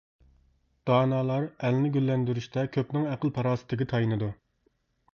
دانالار ئەلنى گۈللەندۈرۈشتە كۆپنىڭ ئەقىل-پاراسىتىگە تايىنىدۇ.